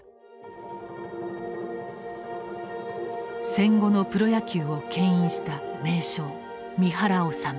戦後のプロ野球をけん引した名将三原脩。